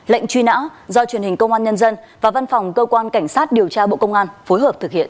lệnh truy nã do truyền hình công an nhân dân và văn phòng cơ quan cảnh sát điều tra bộ công an phối hợp thực hiện